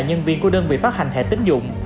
nhân viên của đơn vị phát hành thẻ tính dụng